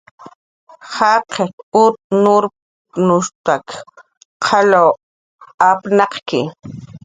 "Jaqiq ut nurnushp""tak qalw apnaq""ki "